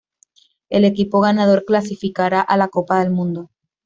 El equipo ganador clasificará a la Copa del Mundo.